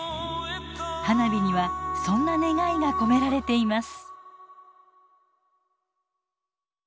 花火にはそんな願いが込められています。